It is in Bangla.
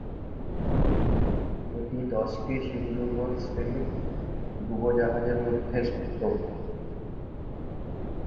এটি দশটি সিন্ধুঘোষ-শ্রেণির ডুবোজাহাজের মধ্যে সপ্তম।